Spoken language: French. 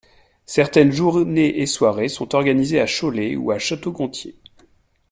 Certaines journées et soirées sont organisées à Cholet ou à Château-Gontier.